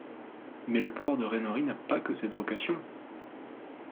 Mais le port de Renory n’a pas que cette vocation.